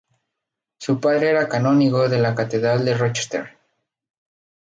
Su padre era canónigo de la catedral de Rochester.